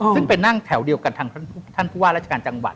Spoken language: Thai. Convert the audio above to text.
ซึ่งไปนั่งแถวเดียวกันทางท่านผู้ว่าราชการจังหวัด